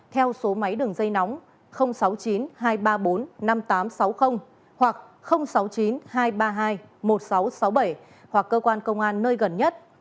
theo số máy đường dây nóng sáu mươi chín hai trăm ba mươi bốn năm nghìn tám trăm sáu mươi hoặc sáu mươi chín hai trăm ba mươi hai một nghìn sáu trăm sáu mươi bảy hoặc cơ quan công an nơi gần nhất